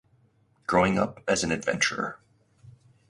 Growing up as an adventurer.